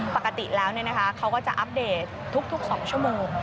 ปกติแล้วเขาก็จะอัปเดตทุก๒ชั่วโมง